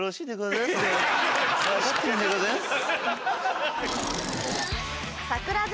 分かってるんでございます。